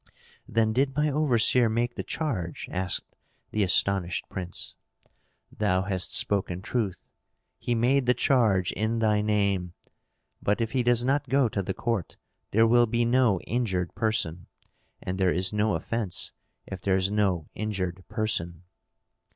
"Then did my overseer make the charge?" asked the astonished prince. "Thou hast spoken truth. He made the charge in thy name. But if he does not go to the court, there will be no injured person; and there is no offence if there is no injured person."